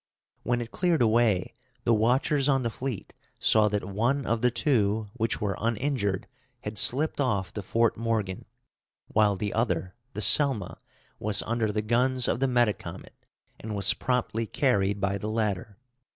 When it cleared away, the watchers on the fleet saw that one of the two which were uninjured had slipped off to Fort Morgan, while the other, the Selma, was under the guns of the Metacomet, and was promptly carried by the latter.